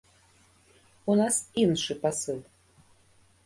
У нас іншы пасыл.